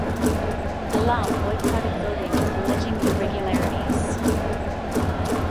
Alam boycotted voting alleging irregularities.